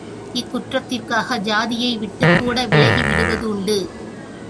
இக் குற்றத்திற்காகச் சாதியை விட்டுக்கூட விலக்கி விடுவதுண்டு.